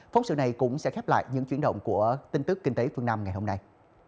phóng sự này cũng sẽ khép lại những chuyển động của kinh tế phương nam ngày hôm nay